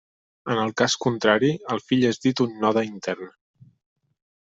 En el cas contrari el fill és dit un node intern.